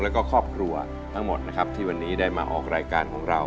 แล้วก็ครอบครัวทั้งหมดนะครับที่วันนี้ได้มาออกรายการของเรา